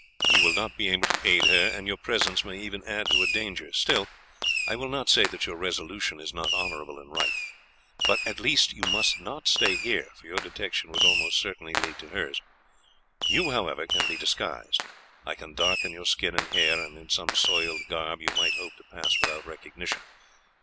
"You will not be able to aid her, and your presence may even add to her danger. Still, I will not say that your resolution is not honourable and right. But, at least, you must not stay here, for your detection would almost certainly lead to hers. You, however, can be disguised; I can darken your skin and hair, and, in some soiled garb you may hope to pass without recognition.